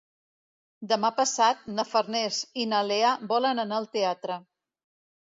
Demà passat na Farners i na Lea volen anar al teatre.